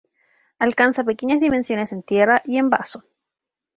Alcanza pequeñas dimensiones en tierra, y en vaso.